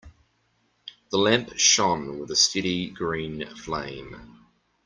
The lamp shone with a steady green flame.